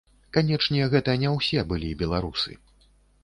Канечне, гэта не ўсе былі беларусы.